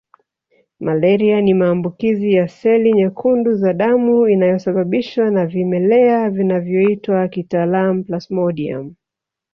Malaria ni maambukizi ya seli nyekundu za damu inayosababishwa na vimelea vinavyoitwa kitaalamu Plasmodiumu